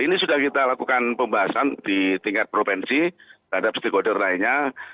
ini sudah kita lakukan pembahasan di tingkat provinsi terhadap stakeholder lainnya